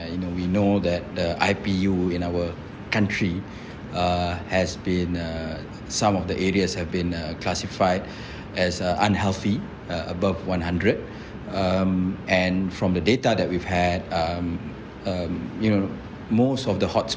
pemerintah malaysia juga memberikan surat kepada pemerintah indonesia agar kebakaran hutan segera diatasi